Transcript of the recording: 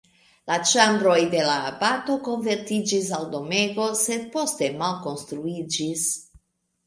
La ĉambroj de la abato konvertiĝis al domego, sed poste malkonstruiĝis.